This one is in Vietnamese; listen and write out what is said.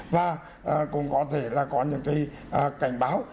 và cũng có thể là có những cái cảnh báo